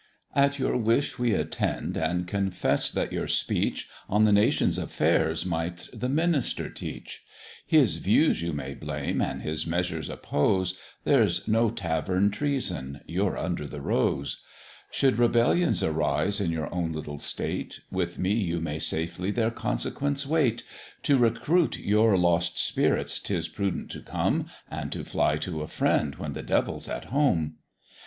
At your wish we attend, and confess that your speech On the nation's affairs might the minister teach; His views you may blame, and his measures oppose, There's no Tavern treason you're under the Rose; Should rebellions arise in your own little state, With me you may safely their consequence wait; To recruit your lost spirits 'tis prudent to come, And to fly to a friend when the devil's at home.